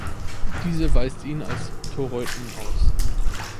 Diese weist ihn als Toreuten aus.